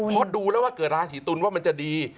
พอดูแล้วว่าเกิดราศีตุลว่ามันจะดี